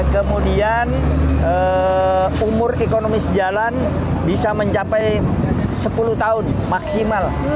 kemudian umur ekonomi sejalan bisa mencapai sepuluh tahun maksimal